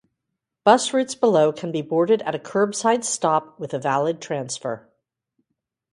Bus routes below can be boarded at a curbside stop with a valid transfer.